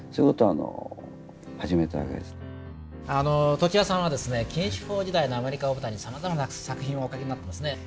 常盤さんはですね禁酒法時代のアメリカを舞台にさまざまな作品をお書きになってますね。